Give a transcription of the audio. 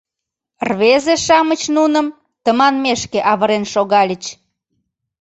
Рвезе-шамыч нуным тыманмешке авырен шогальыч.